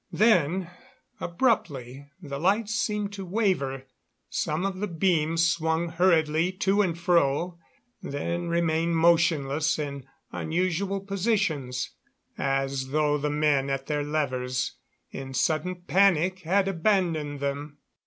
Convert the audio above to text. Then, abruptly, the lights seemed to waver; some of the beams swung hurriedly to and fro, then remained motionless in unusual positions, as though the men at their levers in sudden panic had abandoned them.